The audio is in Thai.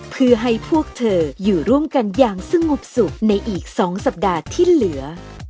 เพื่อให้พวกเธออยู่ร่วมกันอย่างสงบสุขในอีก๒สัปดาห์ที่เหลือ